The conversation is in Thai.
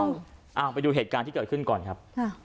เอาไปดูเหตุการณ์ที่เกิดขึ้นก่อนครับ